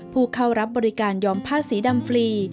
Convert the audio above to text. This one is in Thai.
ผู้เข้ารับบริการยอมผ้าสีดำฟรี